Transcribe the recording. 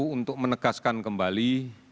untuk menegaskan kembali